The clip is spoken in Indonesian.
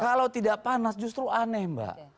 kalau tidak panas justru aneh mbak